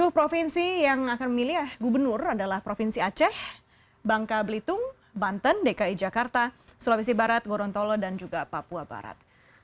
tujuh provinsi yang akan memilih gubernur adalah provinsi aceh bangka belitung banten dki jakarta sulawesi barat gorontolo dan jubilat